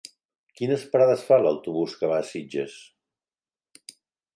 Quines parades fa l'autobús que va a Sitges?